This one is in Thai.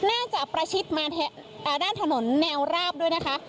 ประชิดมาด้านถนนแนวราบด้วยนะคะ